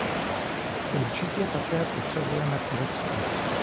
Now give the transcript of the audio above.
Určitě také potřebujeme Turecko.